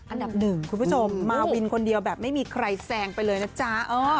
อันดับหนึ่งคุณผู้ชมมาวินคนเดียวแบบไม่มีใครแซงไปเลยนะจ๊ะ